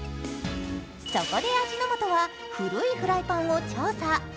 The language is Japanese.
そこで味の素は古いフライパンを調査。